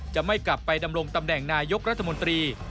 จะไม่กลับไปดำรงตำแหน่งนายกรัฐมนตรี